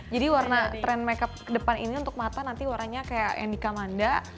jadi warna trend makeup ke depan ini untuk mata nanti warnanya kayak endika manda